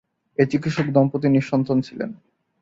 এ চিকিৎসক দম্পতি নিঃসন্তান ছিলেন।